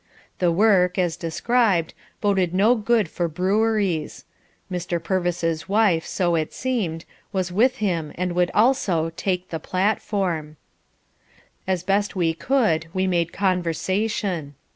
The work, as described, boded no good for breweries. Mr. Purvis's wife, so it seemed, was with him and would also "take the platform." As best we could we made conversation.